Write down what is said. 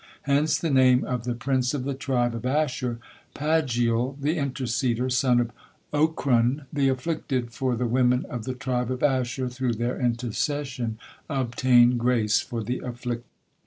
Hence the name of the prince of the tribe of Asher, Pagiel, "the interceder," son of Ochran, "the afflicted," for the women of the tribe of Asher, through their intercession, obtained grace for the afflicted.